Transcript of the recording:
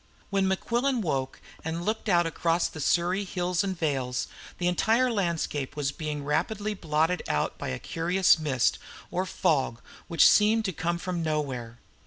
When Mequillen woke and looked out across the Surrey hills and vales, the entire landscape was being rapidly blotted out by a curious mist, or fog, which seemed to come from nowhere.